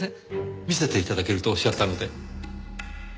見せて頂けるとおっしゃったので。